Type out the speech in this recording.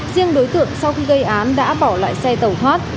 riêng đối tượng sau khi gây án đã bỏ lại xe tẩu thoát